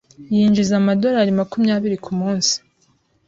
Yinjiza amadorari makumyabiri kumunsi.